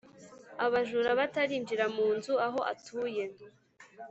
abajura batarinjira mu nzu aho atuye